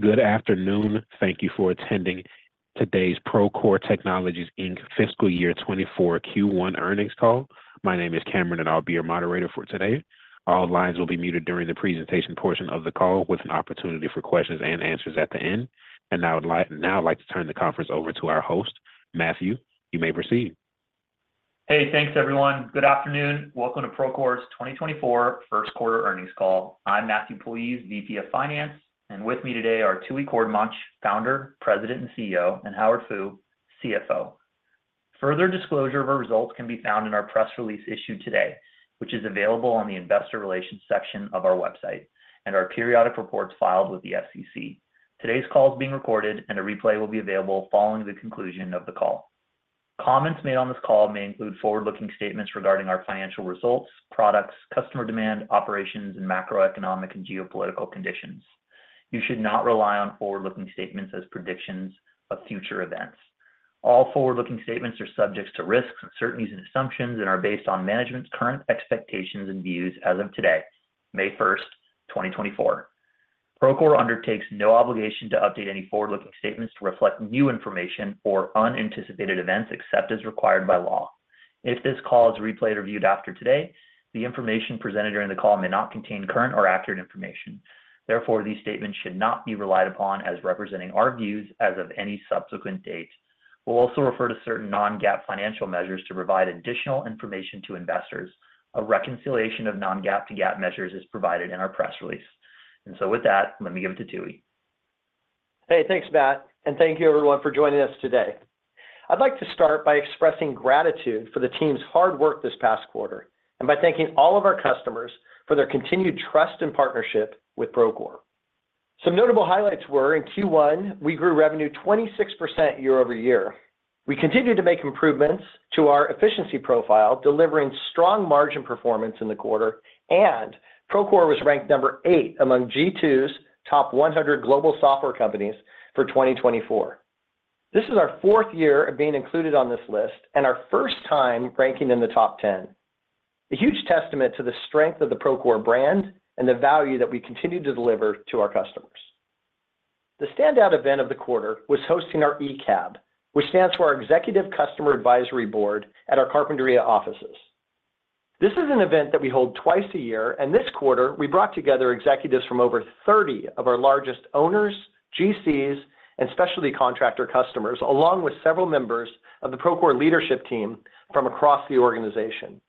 Good afternoon. Thank you for attending today's Procore Technologies, Inc. fiscal year 2024 Q1 earnings call. My name is Cameron, and I'll be your moderator for today. All lines will be muted during the presentation portion of the call with an opportunity for questions and answers at the end. Now I'd like to turn the conference over to our host, Matthew. You may proceed. Hey, thanks, everyone. Good afternoon. Welcome to Procore's 2024 first quarter earnings call. I'm Matthew Puljiz, VP of Finance. And with me today are Tooey Courtemanche, founder, president, and CEO, and Howard Fu, CFO. Further disclosure of our results can be found in our press release issued today, which is available on the investor relations section of our website and our periodic reports filed with the SEC. Today's call is being recorded, and a replay will be available following the conclusion of the call. Comments made on this call may include forward-looking statements regarding our financial results, products, customer demand, operations, and macroeconomic and geopolitical conditions. You should not rely on forward-looking statements as predictions of future events. All forward-looking statements are subject to risks, uncertainties, and assumptions, and are based on management's current expectations and views as of today, May 1st, 2024. Procore undertakes no obligation to update any forward-looking statements to reflect new information or unanticipated events except as required by law. If this call is replayed or viewed after today, the information presented during the call may not contain current or accurate information. Therefore, these statements should not be relied upon as representing our views as of any subsequent date. We'll also refer to certain non-GAAP financial measures to provide additional information to investors. A reconciliation of non-GAAP to GAAP measures is provided in our press release. And so with that, let me give it to Tooey. Hey, thanks, Matt. Thank you, everyone, for joining us today. I'd like to start by expressing gratitude for the team's hard work this past quarter and by thanking all of our customers for their continued trust and partnership with Procore. Some notable highlights were: in Q1, we grew revenue 26% year-over-year. We continued to make improvements to our efficiency profile, delivering strong margin performance in the quarter. Procore was ranked number eight among G2's top 100 global software companies for 2024. This is our fourth year of being included on this list and our first time ranking in the top 10, a huge testament to the strength of the Procore brand and the value that we continue to deliver to our customers. The standout event of the quarter was hosting our ECAB, which stands for our Executive Customer Advisory Board at our Carpinteria offices. This is an event that we hold twice a year. This quarter, we brought together executives from over 30 of our largest owners, GCs, and specialty contractor customers, along with several members of the Procore leadership team from across the organization.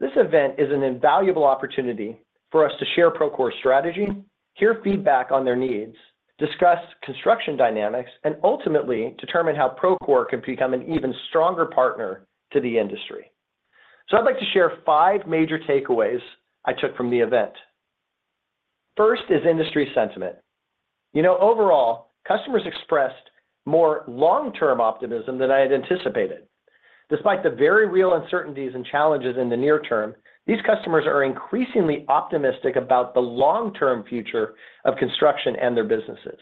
This event is an invaluable opportunity for us to share Procore's strategy, hear feedback on their needs, discuss construction dynamics, and ultimately determine how Procore can become an even stronger partner to the industry. I'd like to share 5 major takeaways I took from the event. First is industry sentiment. Overall, customers expressed more long-term optimism than I had anticipated. Despite the very real uncertainties and challenges in the near term, these customers are increasingly optimistic about the long-term future of construction and their businesses.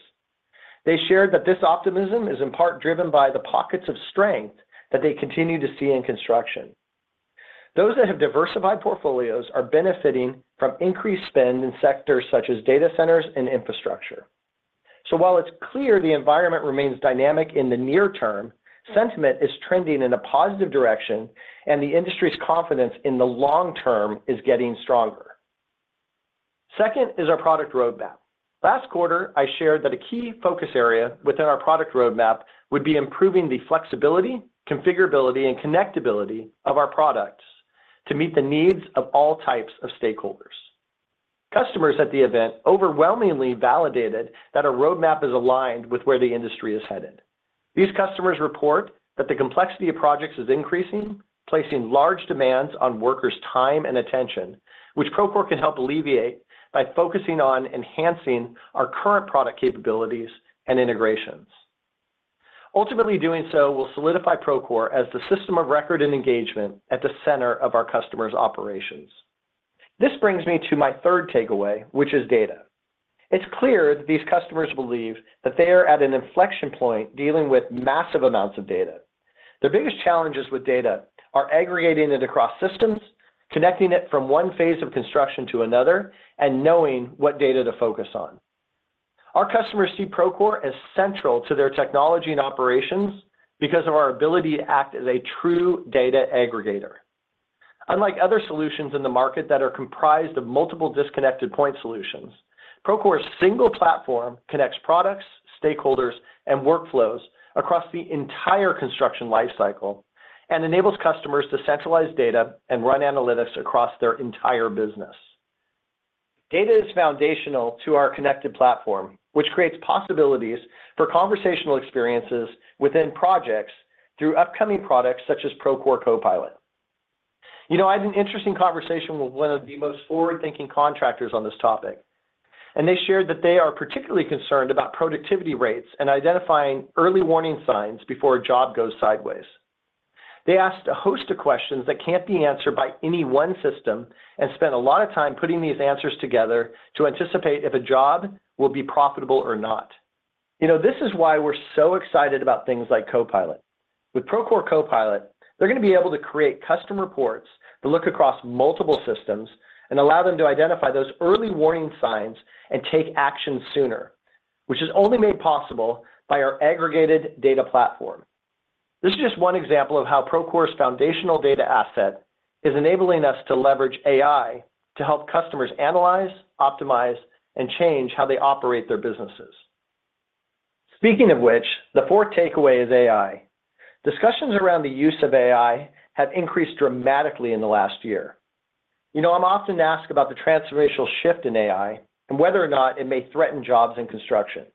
They shared that this optimism is in part driven by the pockets of strength that they continue to see in construction. Those that have diversified portfolios are benefiting from increased spend in sectors such as data centers and infrastructure. So while it's clear the environment remains dynamic in the near term, sentiment is trending in a positive direction, and the industry's confidence in the long term is getting stronger. Second is our product roadmap. Last quarter, I shared that a key focus area within our product roadmap would be improving the flexibility, configurability, and connectability of our products to meet the needs of all types of stakeholders. Customers at the event overwhelmingly validated that our roadmap is aligned with where the industry is headed. These customers report that the complexity of projects is increasing, placing large demands on workers' time and attention, which Procore can help alleviate by focusing on enhancing our current product capabilities and integrations. Ultimately, doing so will solidify Procore as the system of record and engagement at the center of our customers' operations. This brings me to my third takeaway, which is data. It's clear that these customers believe that they are at an inflection point dealing with massive amounts of data. Their biggest challenges with data are aggregating it across systems, connecting it from one phase of construction to another, and knowing what data to focus on. Our customers see Procore as central to their technology and operations because of our ability to act as a true data aggregator. Unlike other solutions in the market that are comprised of multiple disconnected point solutions, Procore's single platform connects products, stakeholders, and workflows across the entire construction lifecycle and enables customers to centralize data and run analytics across their entire business. Data is foundational to our connected platform, which creates possibilities for conversational experiences within projects through upcoming products such as Procore Copilot. I had an interesting conversation with one of the most forward-thinking contractors on this topic, and they shared that they are particularly concerned about productivity rates and identifying early warning signs before a job goes sideways. They asked a host of questions that can't be answered by any one system and spent a lot of time putting these answers together to anticipate if a job will be profitable or not. This is why we're so excited about things like Copilot. With Procore Copilot, they're going to be able to create custom reports that look across multiple systems and allow them to identify those early warning signs and take action sooner, which is only made possible by our aggregated data platform. This is just one example of how Procore's foundational data asset is enabling us to leverage AI to help customers analyze, optimize, and change how they operate their businesses. Speaking of which, the fourth takeaway is AI. Discussions around the use of AI have increased dramatically in the last year. I'm often asked about the transformational shift in AI and whether or not it may threaten jobs in construction.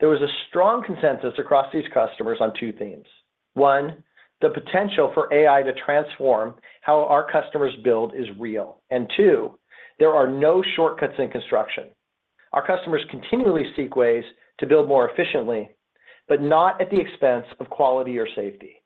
There was a strong consensus across these customers on two themes. One, the potential for AI to transform how our customers build is real. And two, there are no shortcuts in construction. Our customers continually seek ways to build more efficiently, but not at the expense of quality or safety.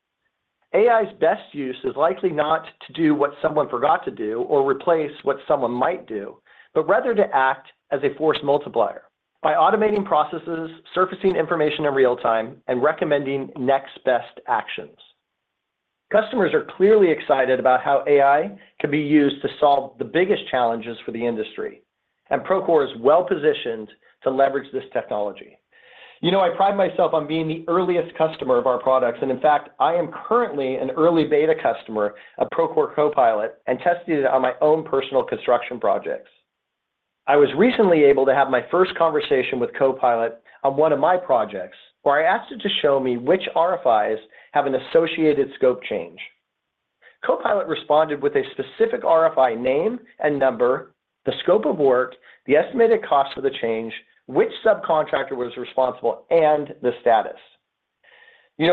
AI's best use is likely not to do what someone forgot to do or replace what someone might do, but rather to act as a force multiplier by automating processes, surfacing information in real time, and recommending next best actions. Customers are clearly excited about how AI can be used to solve the biggest challenges for the industry, and Procore is well positioned to leverage this technology. I pride myself on being the earliest customer of our products. And in fact, I am currently an early beta customer of Procore Copilot and tested it on my own personal construction projects. I was recently able to have my first conversation with Copilot on one of my projects where I asked it to show me which RFIs have an associated scope change. Copilot responded with a specific RFI name and number, the scope of work, the estimated cost for the change, which subcontractor was responsible, and the status.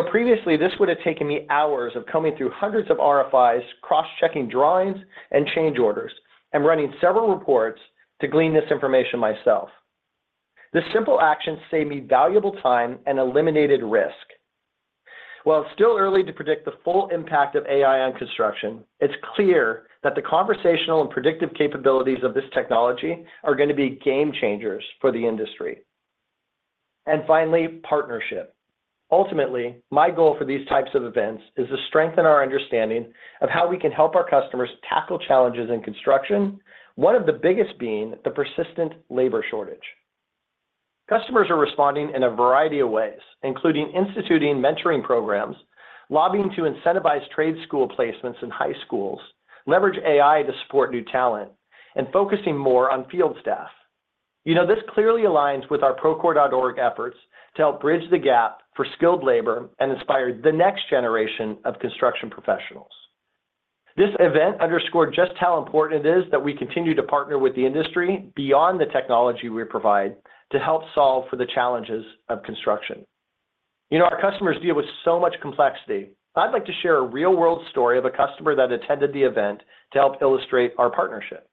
Previously, this would have taken me hours of coming through hundreds of RFIs, cross-checking drawings and change orders, and running several reports to glean this information myself. This simple action saved me valuable time and eliminated risk. While it's still early to predict the full impact of AI on construction, it's clear that the conversational and predictive capabilities of this technology are going to be game changers for the industry. And finally, partnership. Ultimately, my goal for these types of events is to strengthen our understanding of how we can help our customers tackle challenges in construction, one of the biggest being the persistent labor shortage. Customers are responding in a variety of ways, including instituting mentoring programs, lobbying to incentivize trade school placements in high schools, leverage AI to support new talent, and focusing more on field staff. This clearly aligns with our Procore.org efforts to help bridge the gap for skilled labor and inspire the next generation of construction professionals. This event underscored just how important it is that we continue to partner with the industry beyond the technology we provide to help solve for the challenges of construction. Our customers deal with so much complexity. I'd like to share a real-world story of a customer that attended the event to help illustrate our partnership.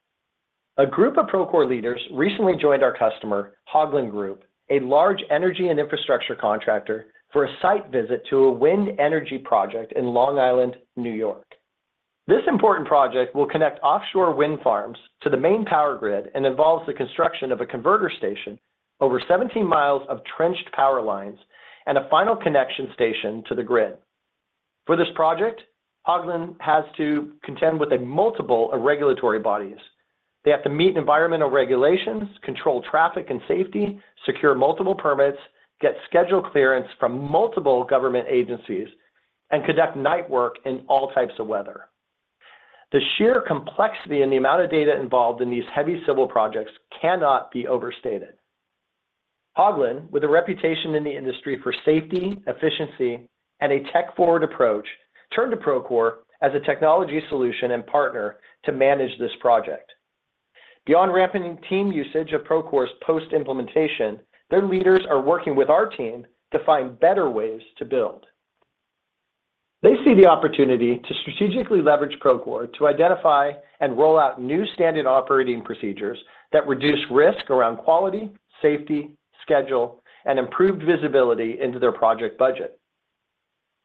A group of Procore leaders recently joined our customer, Haugland Group, a large energy and infrastructure contractor, for a site visit to a wind energy project in Long Island, New York. This important project will connect offshore wind farms to the main power grid and involves the construction of a converter station, over 17 miles of trenched power lines, and a final connection station to the grid. For this project, Haugland has to contend with multiple regulatory bodies. They have to meet environmental regulations, control traffic and safety, secure multiple permits, get schedule clearance from multiple government agencies, and conduct night work in all types of weather. The sheer complexity and the amount of data involved in these heavy civil projects cannot be overstated. Haugland, with a reputation in the industry for safety, efficiency, and a tech-forward approach, turned to Procore as a technology solution and partner to manage this project. Beyond rampant team usage of Procore's post-implementation, their leaders are working with our team to find better ways to build. They see the opportunity to strategically leverage Procore to identify and roll out new standard operating procedures that reduce risk around quality, safety, schedule, and improved visibility into their project budget.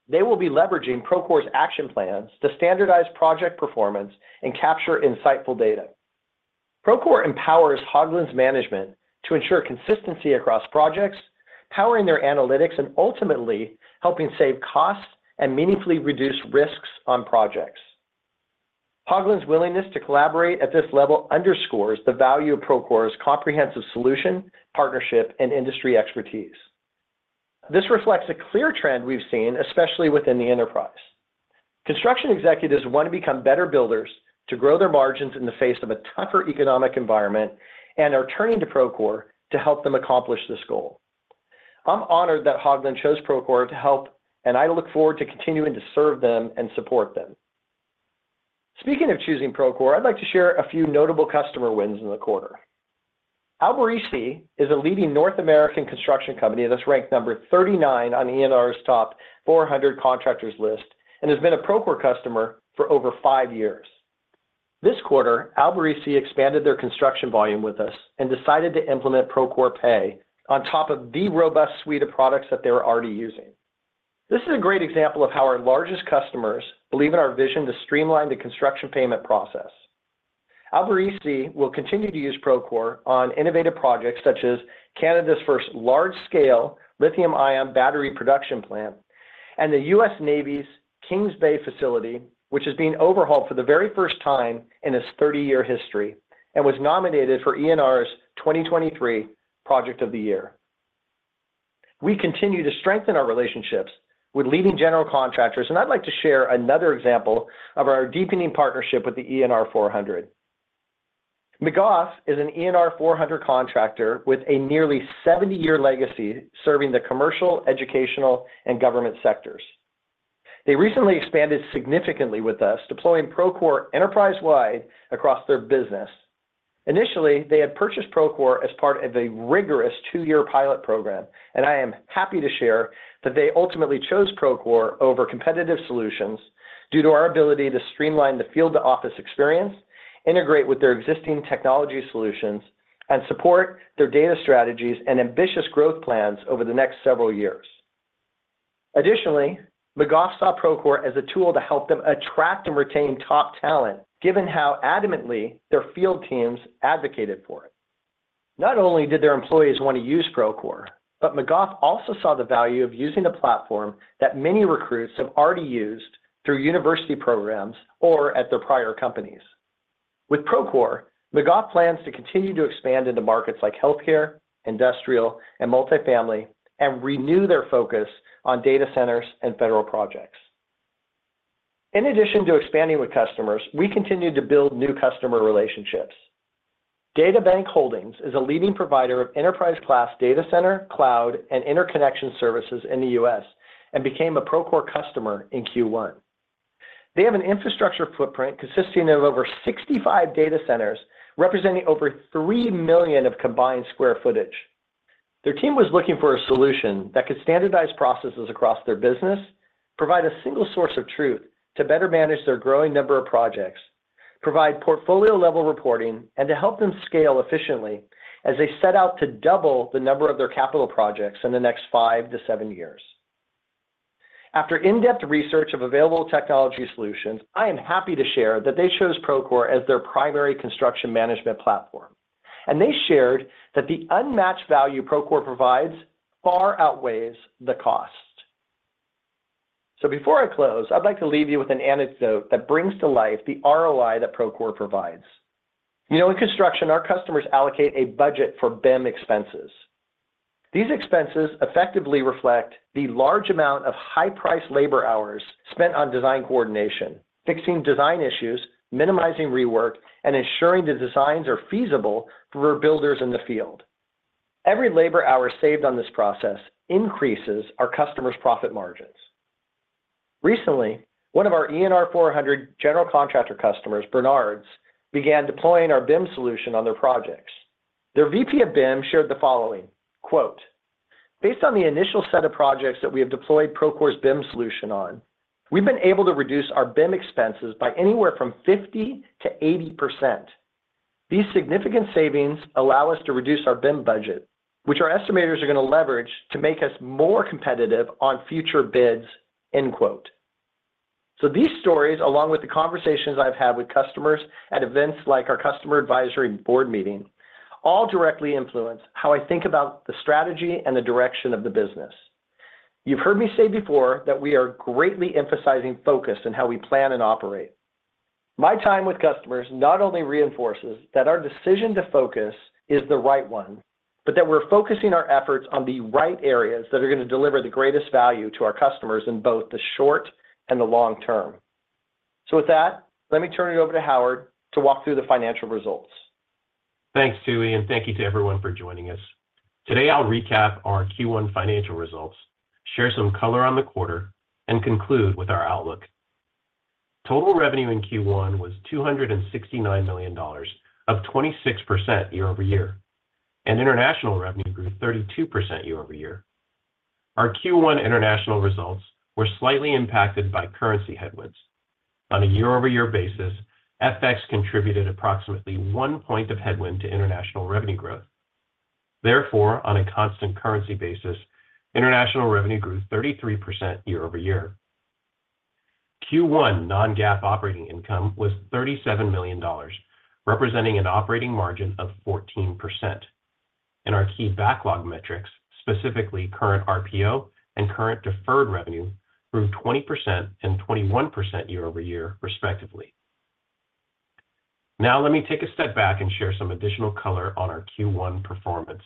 They will be leveraging Procore's Action Plans to standardize project performance and capture insightful data. Procore empowers Haugland's management to ensure consistency across projects, powering their analytics, and ultimately helping save costs and meaningfully reduce risks on projects. Haugland's willingness to collaborate at this level underscores the value of Procore's comprehensive solution, partnership, and industry expertise. This reflects a clear trend we've seen, especially within the enterprise. Construction executives want to become better builders to grow their margins in the face of a tougher economic environment and are turning to Procore to help them accomplish this goal. I'm honored that Haugland chose Procore to help, and I look forward to continuing to serve them and support them. Speaking of choosing Procore, I'd like to share a few notable customer wins in the quarter. Alberici is a leading North American construction company that's ranked 39 on ENR's top 400 contractors list and has been a Procore customer for over five years. This quarter, Alberici expanded their construction volume with us and decided to implement Procore Pay on top of the robust suite of products that they were already using. This is a great example of how our largest customers believe in our vision to streamline the construction payment process. Alberici will continue to use Procore on innovative projects such as Canada's first large-scale lithium-ion battery production plant and the US Navy's Kings Bay facility, which is being overhauled for the very first time in its 30-year history and was nominated for ENR's 2023 Project of the Year. We continue to strengthen our relationships with leading general contractors, and I'd like to share another example of our deepening partnership with the ENR 400. McGough is an ENR 400 contractor with a nearly 70-year legacy serving the commercial, educational, and government sectors. They recently expanded significantly with us, deploying Procore enterprise-wide across their business. Initially, they had purchased Procore as part of a rigorous 2-year pilot program, and I am happy to share that they ultimately chose Procore over competitive solutions due to our ability to streamline the field-to-office experience, integrate with their existing technology solutions, and support their data strategies and ambitious growth plans over the next several years. Additionally, McGough saw Procore as a tool to help them attract and retain top talent, given how adamantly their field teams advocated for it. Not only did their employees want to use Procore, but McGough also saw the value of using the platform that many recruits have already used through university programs or at their prior companies. With Procore, McGough plans to continue to expand into markets like healthcare, industrial, and multifamily, and renew their focus on data centers and federal projects. In addition to expanding with customers, we continue to build new customer relationships. DataBank Holdings is a leading provider of enterprise-class data center, cloud, and interconnection services in the U.S. and became a Procore customer in Q1. They have an infrastructure footprint consisting of over 65 data centers representing over 3 million sq ft of combined square footage. Their team was looking for a solution that could standardize processes across their business, provide a single source of truth to better manage their growing number of projects, provide portfolio-level reporting, and to help them scale efficiently as they set out to double the number of their capital projects in the next 5-7 years. After in-depth research of available technology solutions, I am happy to share that they chose Procore as their primary construction management platform, and they shared that the unmatched value Procore provides far outweighs the cost. So before I close, I'd like to leave you with an anecdote that brings to life the ROI that Procore provides. In construction, our customers allocate a budget for BIM expenses. These expenses effectively reflect the large amount of high-priced labor hours spent on design coordination, fixing design issues, minimizing rework, and ensuring the designs are feasible for builders in the field. Every labor hour saved on this process increases our customers' profit margins. Recently, one of our ENR 400 general contractor customers, Bernards, began deploying our BIM solution on their projects. Their VP of BIM shared the following, "Based on the initial set of projects that we have deployed Procore's BIM solution on, we've been able to reduce our BIM expenses by anywhere from 50%-80%. These significant savings allow us to reduce our BIM budget, which our estimators are going to leverage to make us more competitive on future bids." So these stories, along with the conversations I've had with customers at events like our customer advisory board meeting, all directly influence how I think about the strategy and the direction of the business. You've heard me say before that we are greatly emphasizing focus in how we plan and operate. My time with customers not only reinforces that our decision to focus is the right one, but that we're focusing our efforts on the right areas that are going to deliver the greatest value to our customers in both the short and the long term. So with that, let me turn it over to Howard to walk through the financial results. Thanks, Tooey, and thank you to everyone for joining us. Today, I'll recap our Q1 financial results, share some color on the quarter, and conclude with our outlook. Total revenue in Q1 was $269 million of 26% year-over-year, and international revenue grew 32% year-over-year. Our Q1 international results were slightly impacted by currency headwinds. On a year-over-year basis, FX contributed approximately one point of headwind to international revenue growth. Therefore, on a constant currency basis, international revenue grew 33% year-over-year. Q1 non-GAAP operating income was $37 million, representing an operating margin of 14%. And our key backlog metrics, specifically current RPO and current deferred revenue, grew 20% and 21% year-over-year, respectively. Now, let me take a step back and share some additional color on our Q1 performance.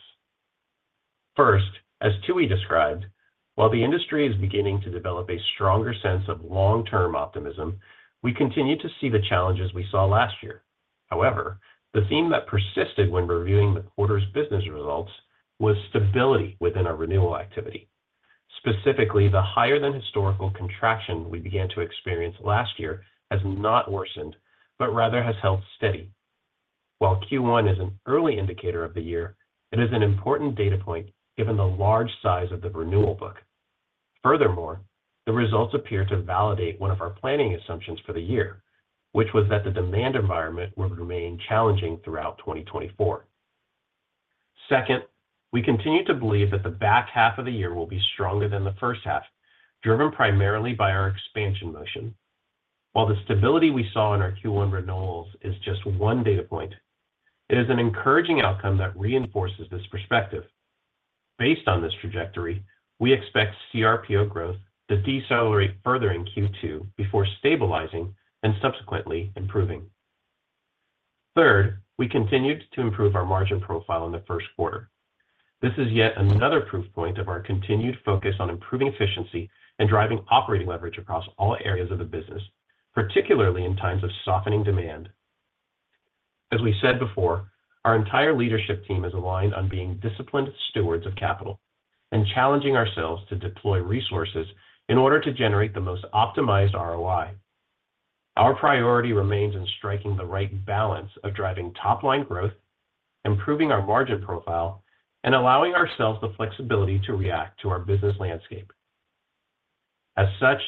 First, as Tooey described, while the industry is beginning to develop a stronger sense of long-term optimism, we continue to see the challenges we saw last year. However, the theme that persisted when reviewing the quarter's business results was stability within our renewal activity. Specifically, the higher-than-historical contraction we began to experience last year has not worsened, but rather has held steady. While Q1 is an early indicator of the year, it is an important data point given the large size of the renewal book. Furthermore, the results appear to validate one of our planning assumptions for the year, which was that the demand environment would remain challenging throughout 2024. Second, we continue to believe that the back half of the year will be stronger than the first half, driven primarily by our expansion motion. While the stability we saw in our Q1 renewals is just one data point, it is an encouraging outcome that reinforces this perspective. Based on this trajectory, we expect CRPO growth to decelerate further in Q2 before stabilizing and subsequently improving. Third, we continued to improve our margin profile in the first quarter. This is yet another proof point of our continued focus on improving efficiency and driving operating leverage across all areas of the business, particularly in times of softening demand. As we said before, our entire leadership team is aligned on being disciplined stewards of capital and challenging ourselves to deploy resources in order to generate the most optimized ROI. Our priority remains in striking the right balance of driving top-line growth, improving our margin profile, and allowing ourselves the flexibility to react to our business landscape. As such,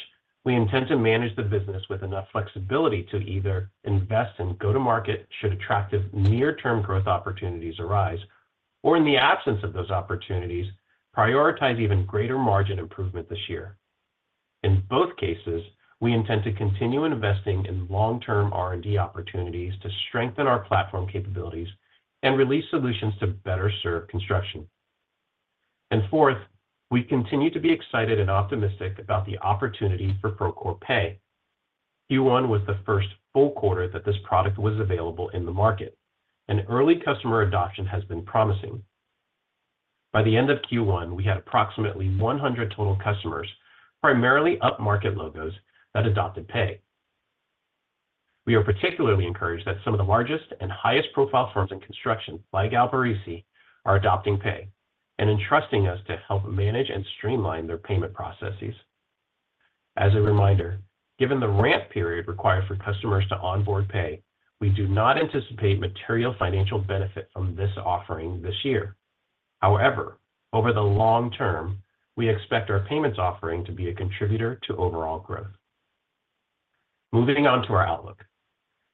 we intend to manage the business with enough flexibility to either invest and go to market should attractive near-term growth opportunities arise, or in the absence of those opportunities, prioritize even greater margin improvement this year. In both cases, we intend to continue investing in long-term R&D opportunities to strengthen our platform capabilities and release solutions to better serve construction. And fourth, we continue to be excited and optimistic about the opportunity for Procore Pay. Q1 was the first full quarter that this product was available in the market, and early customer adoption has been promising. By the end of Q1, we had approximately 100 total customers, primarily up-market logos, that adopted Pay. We are particularly encouraged that some of the largest and highest-profile firms in construction, like Alberici, are adopting Pay and entrusting us to help manage and streamline their payment processes. As a reminder, given the ramp period required for customers to onboard Pay, we do not anticipate material financial benefit from this offering this year. However, over the long term, we expect our payments offering to be a contributor to overall growth. Moving on to our outlook.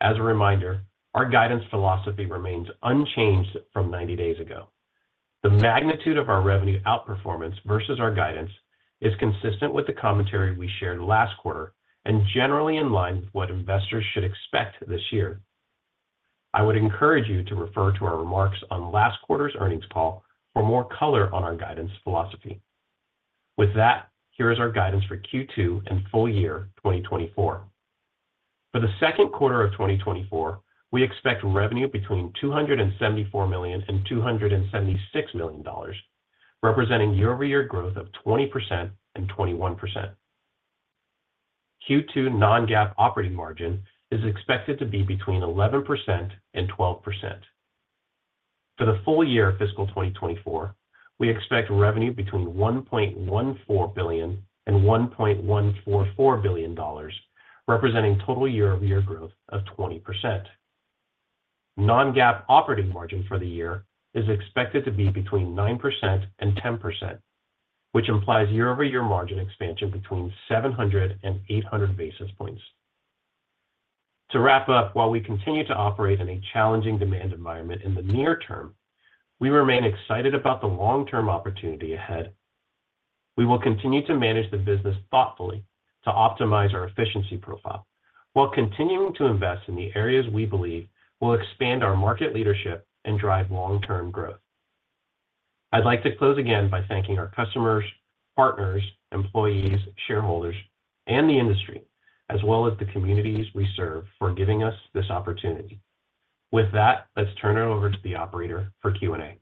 As a reminder, our guidance philosophy remains unchanged from 90 days ago. The magnitude of our revenue outperformance versus our guidance is consistent with the commentary we shared last quarter and generally in line with what investors should expect this year. I would encourage you to refer to our remarks on last quarter's earnings call for more color on our guidance philosophy. With that, here is our guidance for Q2 and full year 2024. For the second quarter of 2024, we expect revenue between $274 million-$276 million, representing year-over-year growth of 20%-21%. Q2 non-GAAP operating margin is expected to be between 11% and 12%. For the full year fiscal 2024, we expect revenue between $1.14 billion and $1.144 billion, representing total year-over-year growth of 20%. Non-GAAP operating margin for the year is expected to be between 9% and 10%, which implies year-over-year margin expansion between 700 and 800 basis points. To wrap up, while we continue to operate in a challenging demand environment in the near term, we remain excited about the long-term opportunity ahead. We will continue to manage the business thoughtfully to optimize our efficiency profile while continuing to invest in the areas we believe will expand our market leadership and drive long-term growth. I'd like to close again by thanking our customers, partners, employees, shareholders, and the industry, as well as the communities we serve for giving us this opportunity. With that, let's turn it over to the operator for Q&A.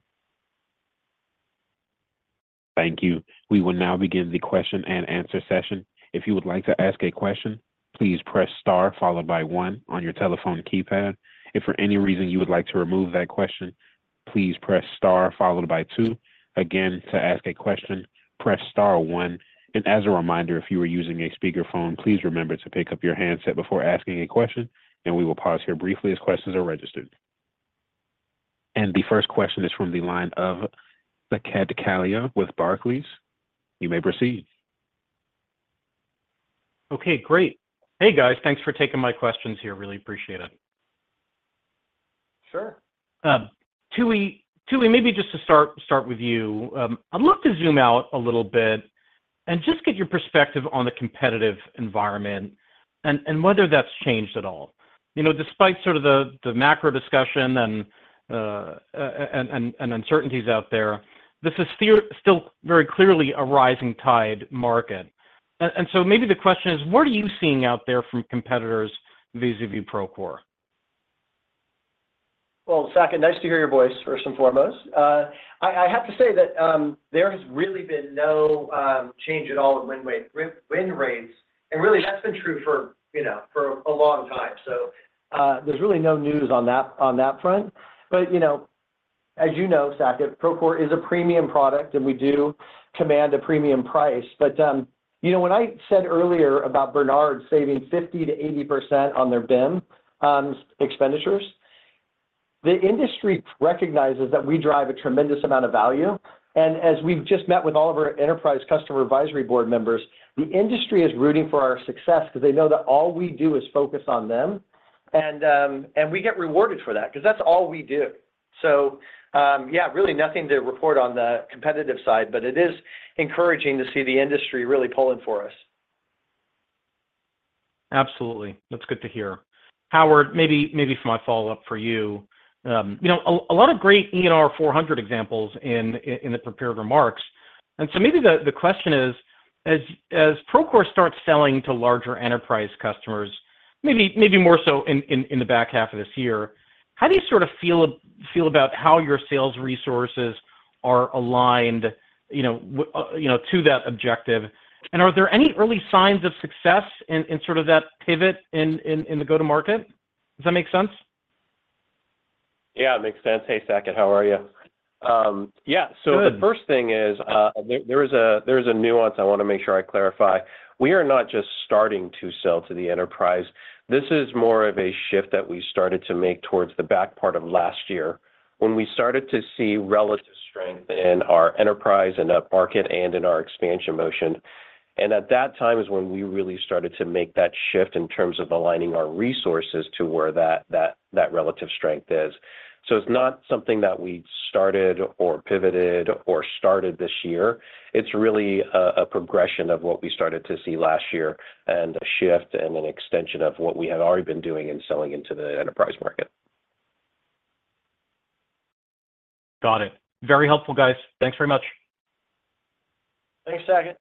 Thank you. We will now begin the question and answer session. If you would like to ask a question, please press star followed by one on your telephone keypad. If for any reason you would like to remove that question, please press star followed by two. Again, to ask a question, press star one. And as a reminder, if you are using a speakerphone, please remember to pick up your handset before asking a question, and we will pause here briefly as questions are registered. The first question is from the line of Saket Kalia with Barclays. You may proceed. Okay, great. Hey, guys. Thanks for taking my questions here. Really appreciate it. Sure. Tooey, maybe just to start with you, I'd love to zoom out a little bit and just get your perspective on the competitive environment and whether that's changed at all. Despite sort of the macro discussion and uncertainties out there, this is still very clearly a rising tide market. So maybe the question is, what are you seeing out there from competitors vis-à-vis Procore? Well, second, nice to hear your voice, first and foremost. I have to say that there has really been no change at all in win rates. Really, that's been true for a long time. So there's really no news on that front. But as you know, Saket, Procore is a premium product, and we do command a premium price. But when I said earlier about Bernards saving 50%-80% on their BIM expenditures, the industry recognizes that we drive a tremendous amount of value. And as we've just met with all of our enterprise customer advisory board members, the industry is rooting for our success because they know that all we do is focus on them. And we get rewarded for that because that's all we do. So yeah, really nothing to report on the competitive side, but it is encouraging to see the industry really pulling for us. Absolutely. That's good to hear. Howard, maybe for my follow-up for you, a lot of great ENR 400 examples in the prepared remarks. And so maybe the question is, as Procore starts selling to larger enterprise customers, maybe more so in the back half of this year, how do you sort of feel about how your sales resources are aligned to that objective? And are there any early signs of success in sort of that pivot in the go-to-market? Does that make sense? Yeah, it makes sense. Hey, Saket, how are you? Yeah, so the first thing is, there is a nuance I want to make sure I clarify. We are not just starting to sell to the enterprise. This is more of a shift that we started to make towards the back part of last year when we started to see relative strength in our enterprise and up-market and in our expansion motion. And at that time is when we really started to make that shift in terms of aligning our resources to where that relative strength is. So it's not something that we started or pivoted or started this year. It's really a progression of what we started to see last year and a shift and an extension of what we had already been doing and selling into the enterprise market. Got it. Very helpful, guys. Thanks very much. Thanks, Saket.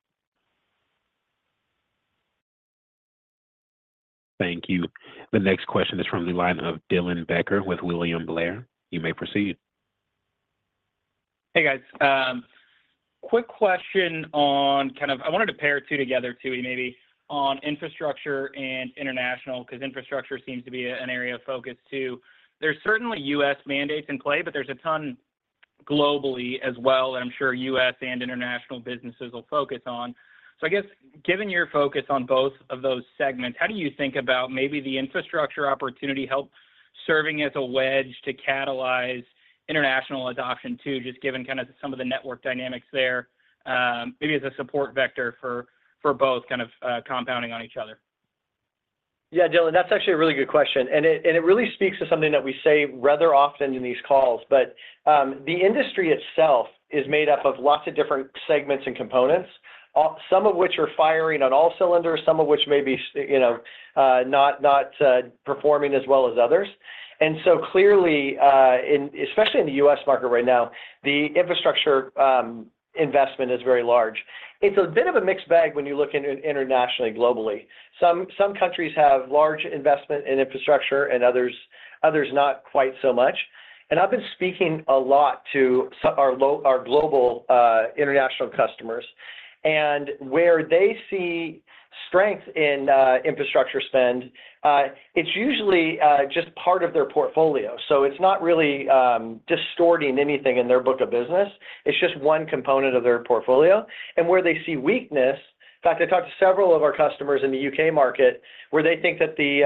Thank you. The next question is from the line of Dylan Becker with William Blair. You may proceed. Hey, guys. Quick question on kind of I wanted to pair two together, Tooey, maybe, on infrastructure and international because infrastructure seems to be an area of focus too. There's certainly U.S. mandates in play, but there's a ton globally as well that I'm sure U.S. and international businesses will focus on. So I guess given your focus on both of those segments, how do you think about maybe the infrastructure opportunity help serving as a wedge to catalyze international adoption too, just given kind of some of the network dynamics there, maybe as a support vector for both kind of compounding on each other? Yeah, Dylan, that's actually a really good question. It really speaks to something that we say rather often in these calls. The industry itself is made up of lots of different segments and components, some of which are firing on all cylinders, some of which may be not performing as well as others. Clearly, especially in the U.S. market right now, the infrastructure investment is very large. It's a bit of a mixed bag when you look internationally, globally. Some countries have large investment in infrastructure and others not quite so much. I've been speaking a lot to our global international customers. Where they see strength in infrastructure spend, it's usually just part of their portfolio. It's not really distorting anything in their book of business. It's just one component of their portfolio. And where they see weakness in fact, I talked to several of our customers in the U.K. market where they think that the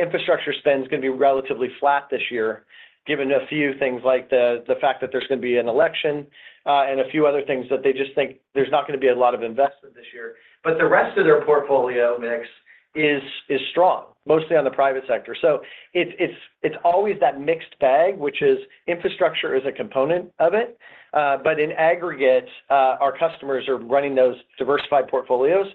infrastructure spend is going to be relatively flat this year given a few things like the fact that there's going to be an election and a few other things that they just think there's not going to be a lot of investment this year. But the rest of their portfolio mix is strong, mostly on the private sector. So it's always that mixed bag, which is infrastructure is a component of it. But in aggregate, our customers are running those diversified portfolios.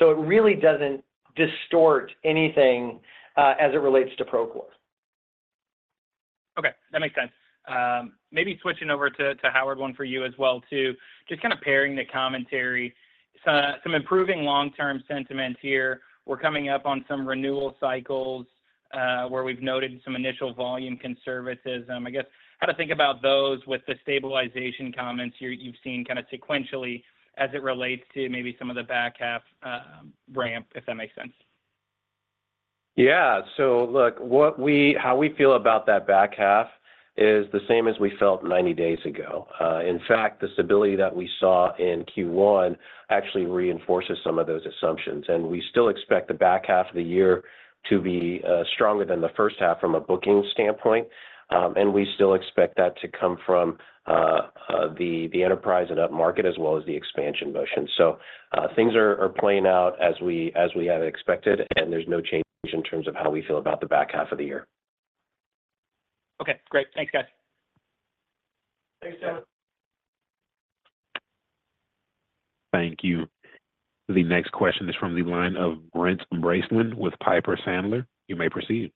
So it really doesn't distort anything as it relates to Procore. Okay. That makes sense. Maybe switching over to Howard, one for you as well too, just kind of pairing the commentary. Some improving long-term sentiment here. We're coming up on some renewal cycles where we've noted some initial volume conservatism. I guess how to think about those with the stabilization comments you've seen kind of sequentially as it relates to maybe some of the back half ramp, if that makes sense. Yeah. Look, how we feel about that back half is the same as we felt 90 days ago. In fact, the stability that we saw in Q1 actually reinforces some of those assumptions. We still expect the back half of the year to be stronger than the first half from a booking standpoint. We still expect that to come from the enterprise and up-market as well as the expansion motion. Things are playing out as we have expected, and there's no change in terms of how we feel about the back half of the year. Okay. Great. Thanks, guys. Thanks, Dylan. Thank you. The next question is from the line of Brent Bracelin with Piper Sandler. You may proceed.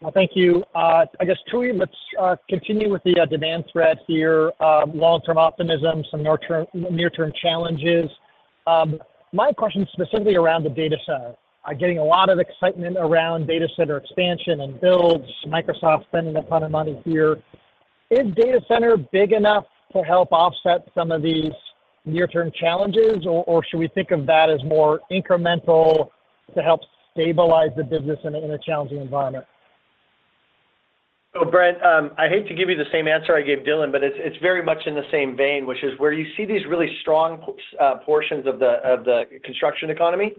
Well, thank you. I guess, Tooey, let's continue with the demand thread here. Long-term optimism, some near-term challenges. My question is specifically around the data center. I'm getting a lot of excitement around data center expansion and builds, Microsoft spending a ton of money here. Is data center big enough to help offset some of these near-term challenges, or should we think of that as more incremental to help stabilize the business in a challenging environment? So Brent, I hate to give you the same answer I gave Dylan, but it's very much in the same vein, which is where you see these really strong portions of the construction economy.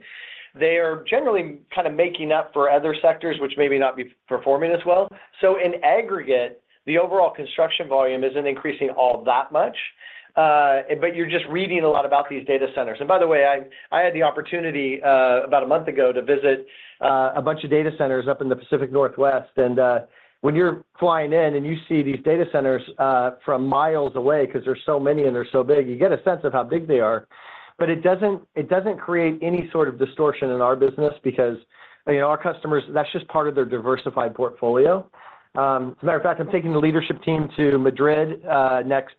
They are generally kind of making up for other sectors, which may not be performing as well. So in aggregate, the overall construction volume isn't increasing all that much. But you're just reading a lot about these data centers. And by the way, I had the opportunity about a month ago to visit a bunch of data centers up in the Pacific Northwest. And when you're flying in and you see these data centers from miles away because there's so many and they're so big, you get a sense of how big they are. But it doesn't create any sort of distortion in our business because our customers, that's just part of their diversified portfolio. As a matter of fact, I'm taking the leadership team to Madrid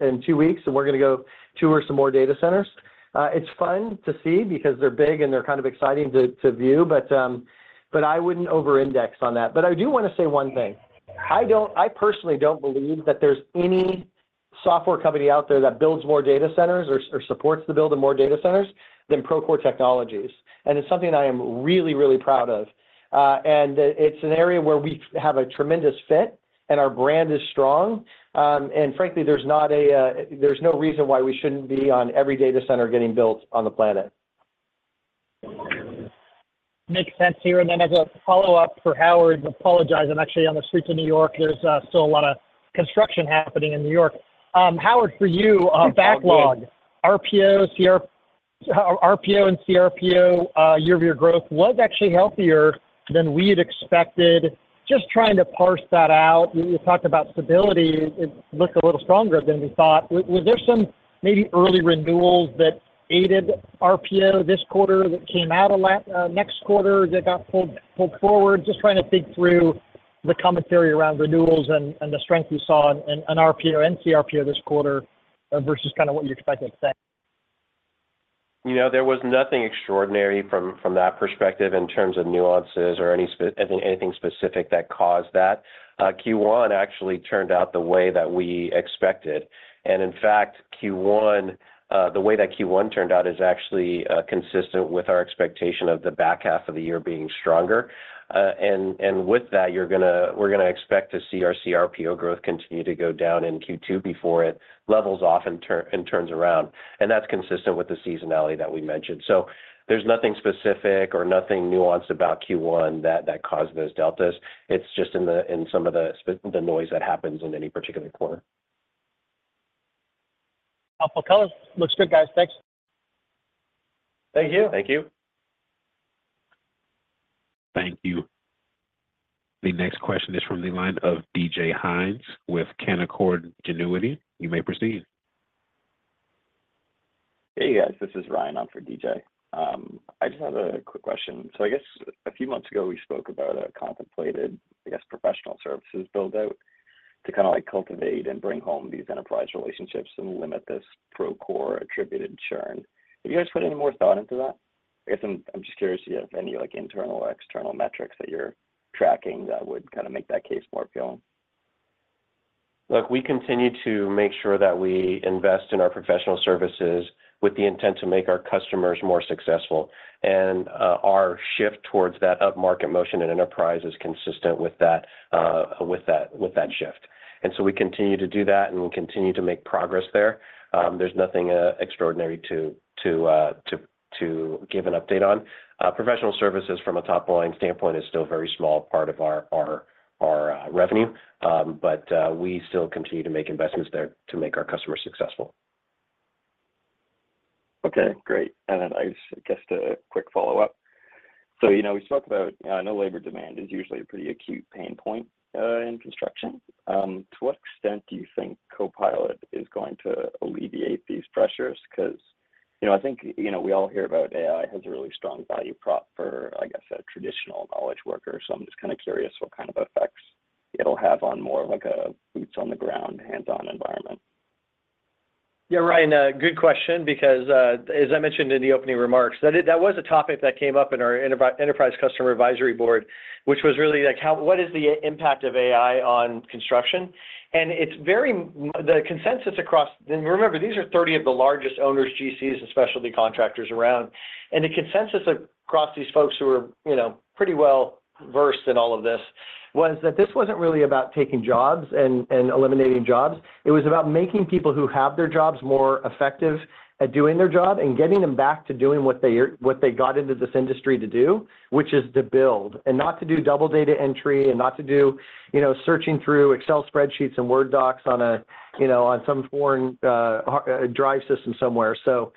in two weeks, and we're going to go tour some more data centers. It's fun to see because they're big and they're kind of exciting to view, but I wouldn't over-index on that. But I do want to say one thing. I personally don't believe that there's any software company out there that builds more data centers or supports the build of more data centers than Procore Technologies. And it's something I am really, really proud of. And it's an area where we have a tremendous fit, and our brand is strong. And frankly, there's no reason why we shouldn't be on every data center getting built on the planet. Makes sense here. And then as a follow-up for Howard, apologize. I'm actually on the streets of New York. There's still a lot of construction happening in New York. Howard, for you, backlog, RPO and CRPO, year-over-year growth was actually healthier than we had expected. Just trying to parse that out. You talked about stability. It looked a little stronger than we thought. Was there some maybe early renewals that aided RPO this quarter that came out next quarter that got pulled forward? Just trying to think through the commentary around renewals and the strength you saw in RPO and CRPO this quarter versus kind of what you expected today. There was nothing extraordinary from that perspective in terms of nuances or anything specific that caused that. Q1 actually turned out the way that we expected. In fact, the way that Q1 turned out is actually consistent with our expectation of the back half of the year being stronger. With that, we're going to expect to see our CRPO growth continue to go down in Q2 before it levels off and turns around. That's consistent with the seasonality that we mentioned. So there's nothing specific or nothing nuanced about Q1 that caused those deltas. It's just in some of the noise that happens in any particular quarter. Helpful colors. Looks good, guys. Thanks. Thank you. Thank you. Thank you. The next question is from the line of DJ Hynes with Canaccord Genuity. You may proceed. Hey, guys. This is Ryan. I'm for DJ. I just have a quick question. So I guess a few months ago, we spoke about a contemplated, I guess, professional services buildout to kind of cultivate and bring home these enterprise relationships and limit this Procore-attributed churn. Have you guys put any more thought into that? I guess I'm just curious to get if any internal or external metrics that you're tracking that would kind of make that case more appealing. Look, we continue to make sure that we invest in our professional services with the intent to make our customers more successful. And our shift towards that up-market motion in enterprise is consistent with that shift. And so we continue to do that, and we continue to make progress there. There's nothing extraordinary to give an update on. Professional services from a top-line standpoint is still a very small part of our revenue. But we still continue to make investments there to make our customers successful. Okay. Great. And then I guess a quick follow-up. So we spoke about, I know, labor demand is usually a pretty acute pain point in construction. To what extent do you think Copilot is going to alleviate these pressures? Because I think we all hear about AI has a really strong value prop for, I guess, a traditional knowledge worker. So I'm just kind of curious what kind of effects it'll have on more of a boots-on-the-ground, hands-on environment. Yeah, Ryan, good question. Because as I mentioned in the opening remarks, that was a topic that came up in our enterprise customer advisory board, which was really like, what is the impact of AI on construction? And the consensus across and remember, these are 30 of the largest owners, GCs, and specialty contractors around. And the consensus across these folks who are pretty well-versed in all of this was that this wasn't really about taking jobs and eliminating jobs. It was about making people who have their jobs more effective at doing their job and getting them back to doing what they got into this industry to do, which is to build and not to do double data entry and not to do searching through Excel spreadsheets and Word docs on some foreign drive system somewhere. So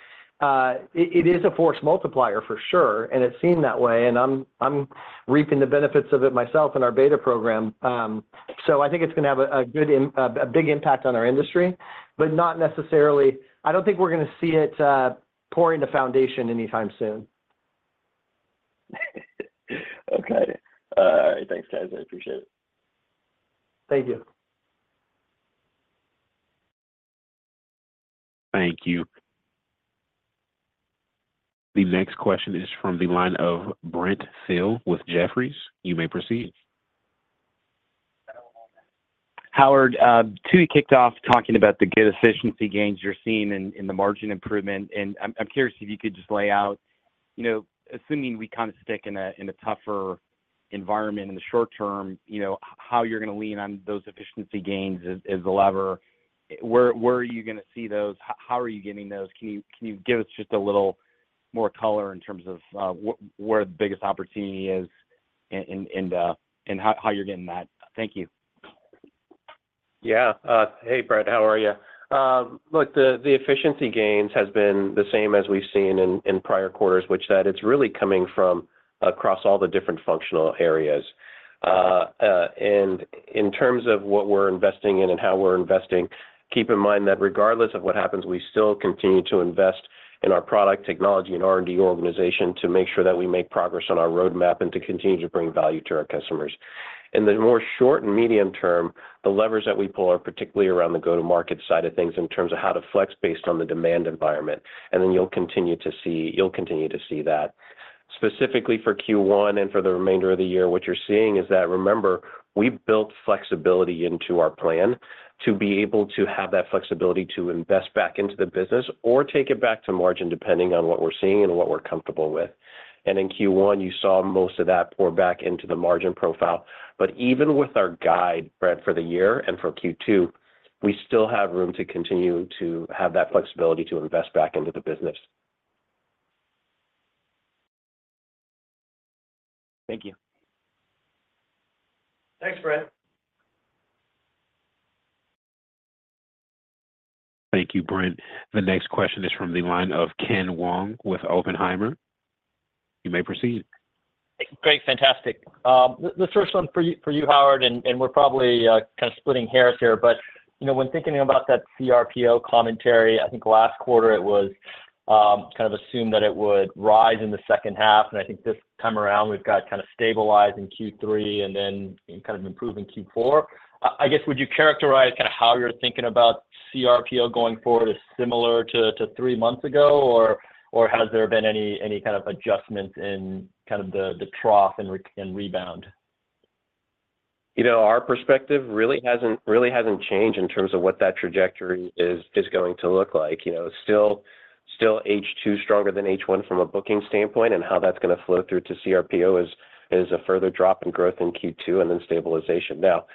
it is a force multiplier for sure. And it's seen that way. I'm reaping the benefits of it myself in our beta program. I think it's going to have a big impact on our industry, but not necessarily, I don't think we're going to see it pouring the foundation anytime soon. Okay. All right. Thanks, guys. I appreciate it. Thank you. Thank you. The next question is from the line of Brent Thill with Jefferies. You may proceed. Howard, Tooey kicked off talking about the good efficiency gains you're seeing in the margin improvement. And I'm curious if you could just lay out assuming we kind of stick in a tougher environment in the short term, how you're going to lean on those efficiency gains as a lever. Where are you going to see those? How are you getting those? Can you give us just a little more color in terms of where the biggest opportunity is and how you're getting that? Thank you. Yeah. Hey, Brent. How are you? Look, the efficiency gains has been the same as we've seen in prior quarters, which that it's really coming from across all the different functional areas. And in terms of what we're investing in and how we're investing, keep in mind that regardless of what happens, we still continue to invest in our product, technology, and R&D organization to make sure that we make progress on our roadmap and to continue to bring value to our customers. In the more short and medium term, the levers that we pull are particularly around the go-to-market side of things in terms of how to flex based on the demand environment. And then you'll continue to see that. Specifically for Q1 and for the remainder of the year, what you're seeing is that remember, we built flexibility into our plan to be able to have that flexibility to invest back into the business or take it back to margin depending on what we're seeing and what we're comfortable with. In Q1, you saw most of that pour back into the margin profile. Even with our guide, Brent, for the year and for Q2, we still have room to continue to have that flexibility to invest back into the business. Thank you. Thanks, Brent. Thank you, Brent. The next question is from the line of Ken Wong with Oppenheimer. You may proceed. Great. Fantastic. The first one for you, Howard, and we're probably kind of splitting hairs here. But when thinking about that CRPO commentary, I think last quarter, it was kind of assumed that it would rise in the second half. And I think this time around, we've got kind of stabilized in Q3 and then kind of improved in Q4. I guess, would you characterize kind of how you're thinking about CRPO going forward is similar to three months ago, or has there been any kind of adjustments in kind of the trough and rebound? Our perspective really hasn't changed in terms of what that trajectory is going to look like. Still H2 stronger than H1 from a booking standpoint, and how that's going to flow through to CRPO is a further drop in growth in Q2 and then stabilization. Now,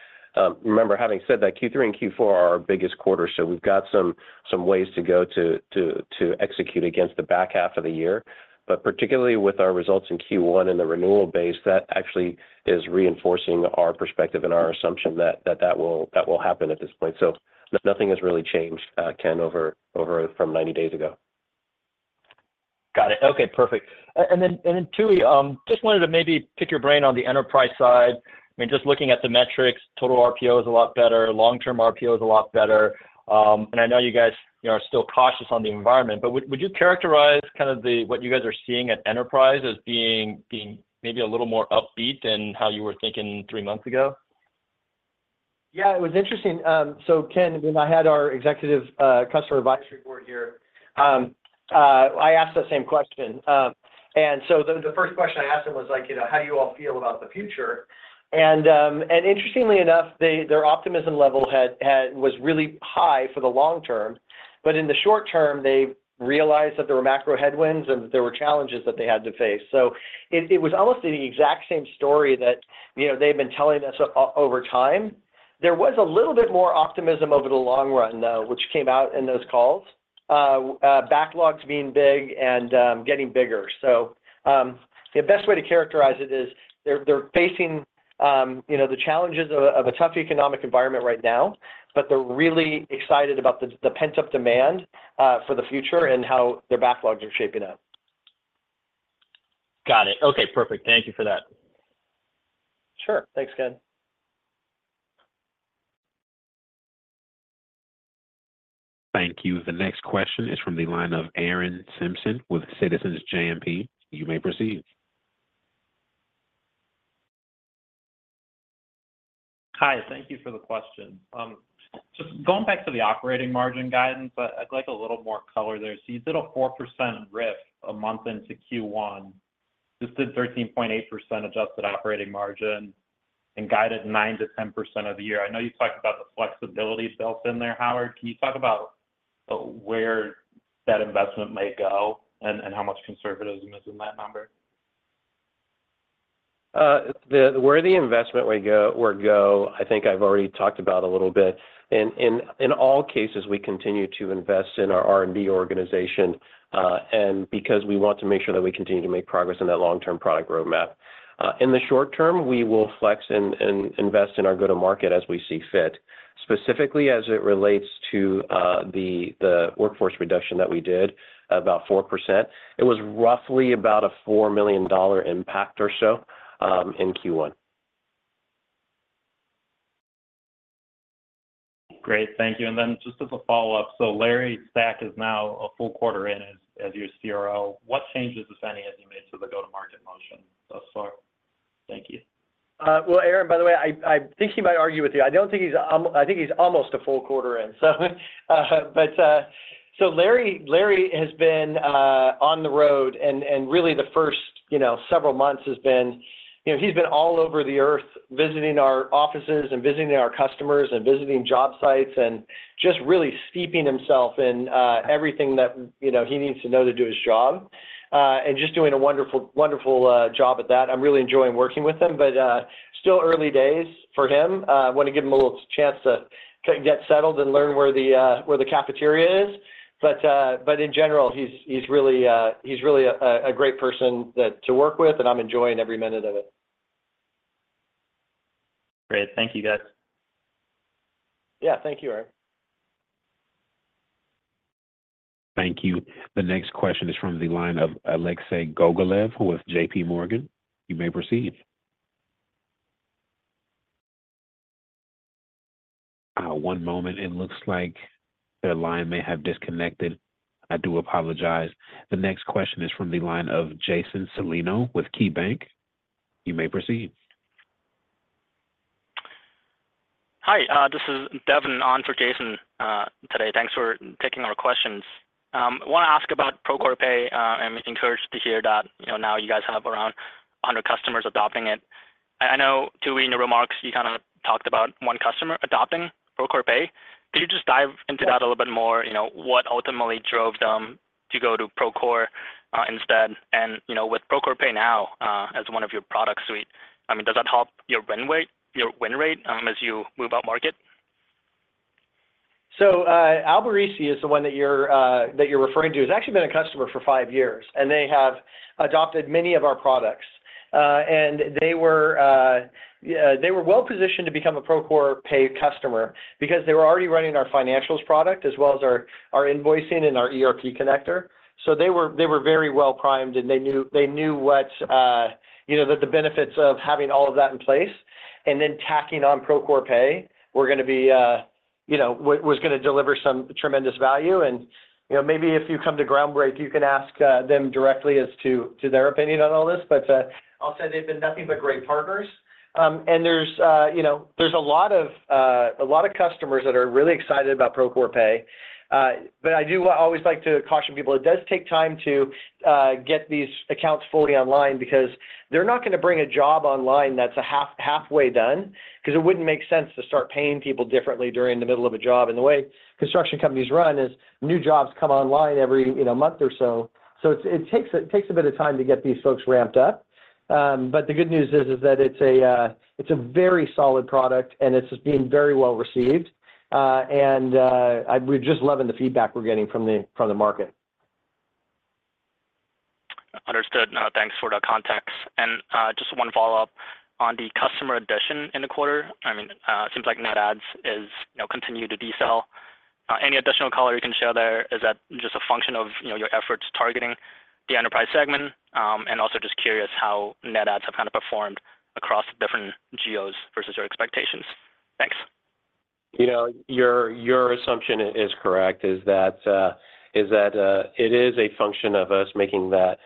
remember, having said that, Q3 and Q4 are our biggest quarters. So we've got some ways to go to execute against the back half of the year. But particularly with our results in Q1 and the renewal base, that actually is reinforcing our perspective and our assumption that that will happen at this point. So nothing has really changed, Ken, from 90 days ago. Got it. Okay. Perfect. And then, Tooey, just wanted to maybe pick your brain on the enterprise side. I mean, just looking at the metrics, total RPO is a lot better. Long-term RPO is a lot better. And I know you guys are still cautious on the environment, but would you characterize kind of what you guys are seeing at enterprise as being maybe a little more upbeat than how you were thinking three months ago? Yeah. It was interesting. So, Ken, when I had our Executive Customer Advisory Board here, I asked the same question. And so the first question I asked them was like, "How do you all feel about the future?" And interestingly enough, their optimism level was really high for the long term. But in the short term, they realized that there were macro headwinds and that there were challenges that they had to face. So it was almost the exact same story that they've been telling us over time. There was a little bit more optimism over the long run, though, which came out in those calls, backlogs being big and getting bigger. So the best way to characterize it is they're facing the challenges of a tough economic environment right now, but they're really excited about the pent-up demand for the future and how their backlogs are shaping up. Got it. Okay. Perfect. Thank you for that. Sure. Thanks, Ken. Thank you. The next question is from the line of Aaron Kimson with Citizens JMP. You may proceed. Hi. Thank you for the question. Just going back to the operating margin guidance, I'd like a little more color there. So you did a 4% lift a month into Q1. This hit 13.8% adjusted operating margin and guided 9%-10% for the year. I know you talked about the flexibility built in there, Howard. Can you talk about where that investment might go and how much conservatism is in that number? Where the investment would go, I think I've already talked about a little bit. In all cases, we continue to invest in our R&D organization because we want to make sure that we continue to make progress in that long-term product roadmap. In the short term, we will flex and invest in our go-to-market as we see fit, specifically as it relates to the workforce reduction that we did about 4%. It was roughly about a $4 million impact or so in Q1. Great. Thank you. And then just as a follow-up, so Larry Stack is now a full quarter in as your CRO. What changes, if any, have you made to the go-to-market motion thus far? Thank you. Well, Aaron, by the way, I think he might argue with you. I think he's almost a full quarter in, so. But Larry has been on the road. Really, the first several months has been he's been all over the earth visiting our offices and visiting our customers and visiting job sites and just really steeping himself in everything that he needs to know to do his job and just doing a wonderful job at that. I'm really enjoying working with him. But still early days for him. I want to give him a little chance to get settled and learn where the cafeteria is. But in general, he's really a great person to work with, and I'm enjoying every minute of it. Great. Thank you, guys. Yeah. Thank you, Aaron. Thank you. The next question is from the line of Alexei Gogolev with J.P. Morgan. You may proceed. One moment. It looks like the line may have disconnected. I do apologize. The next question is from the line of Jason Celino with KeyBanc. You may proceed. Hi. This is Devin on for Jason today. Thanks for taking our questions. I want to ask about Procore Pay. I'm encouraged to hear that now you guys have around 100 customers adopting it. I know, Tooey, in your remarks, you kind of talked about one customer adopting Procore Pay. Could you just dive into that a little bit more? What ultimately drove them to go to Procore instead? And with Procore Pay now as one of your product suite, I mean, does that help your win rate as you move out market? So Alberici is the one that you're referring to. It's actually been a customer for five years. They have adopted many of our products. They were well-positioned to become a Procore Pay customer because they were already running our financials product as well as our invoicing and our ERP connector. They were very well-primed, and they knew what the benefits of having all of that in place and then tacking on Procore Pay were going to be was going to deliver some tremendous value. Maybe if you come to Groundbreak, you can ask them directly as to their opinion on all this. But I'll say they've been nothing but great partners. There's a lot of customers that are really excited about Procore Pay. But I do always like to caution people, it does take time to get these accounts fully online because they're not going to bring a job online that's halfway done because it wouldn't make sense to start paying people differently during the middle of a job. And the way construction companies run is new jobs come online every month or so. So it takes a bit of time to get these folks ramped up. But the good news is that it's a very solid product, and it's just being very well-received. And we're just loving the feedback we're getting from the market. Understood. Thanks for the context. And just one follow-up on the customer addition in the quarter. I mean, it seems like net adds has continued to decline. Any additional color you can share there, is that just a function of your efforts targeting the enterprise segment? And also just curious how net adds have kind of performed across the different geos versus your expectations. Thanks. Your assumption is correct, is that it is a function of us making that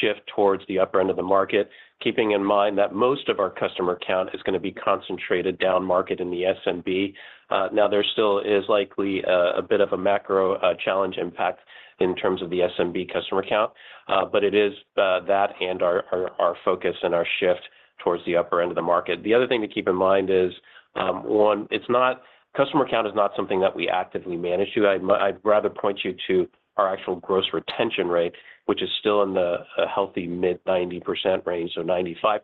shift towards the upper end of the market, keeping in mind that most of our customer count is going to be concentrated down market in the SMB. Now, there still is likely a bit of a macro challenge impact in terms of the SMB customer count. But it is that and our focus and our shift towards the upper end of the market. The other thing to keep in mind is, one, customer count is not something that we actively manage to. I'd rather point you to our actual gross retention rate, which is still in the healthy mid-90% range, so 95%.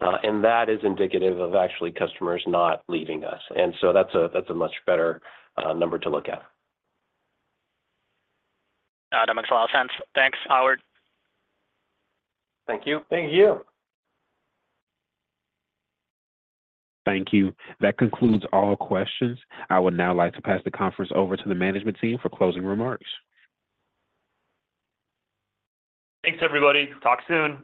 And that is indicative of actually customers not leaving us. And so that's a much better number to look at. That makes a lot of sense. Thanks, Howard. Thank you. Thank you. Thank you. That concludes all questions. I would now like to pass the conference over to the management team for closing remarks. Thanks, everybody. Talk soon.